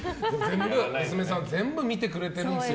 娘さん全部見てくれているんですよ。